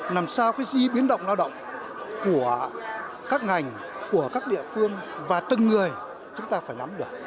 làm sao cái di biến động lao động của các ngành của các địa phương và từng người chúng ta phải nắm được